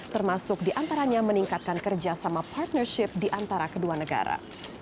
termasuk diantaranya meningkatkan kerjasama partnership di antara kedua negara